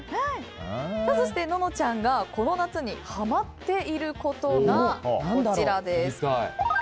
そして、ののちゃんがこの夏にハマっていることがこちらです。